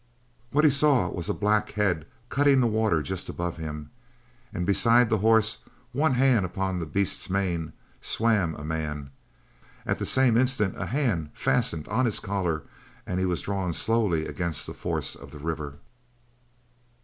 What he saw was a black head cutting the water just above him, and beside the horse, one hand upon the beast's mane, swam a man. At the same instant a hand fastened on his collar and he was drawn slowly against the force of the river.